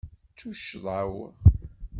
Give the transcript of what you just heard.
D tuccḍa-w.